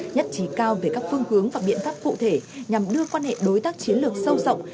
nhất trí cao về các phương hướng và biện pháp cụ thể nhằm đưa quan hệ đối tác chiến lược sâu rộng